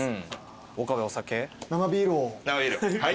岡部お酒？